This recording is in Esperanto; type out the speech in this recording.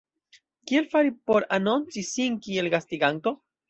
Kiel fari por anonci sin kiel gastiganto?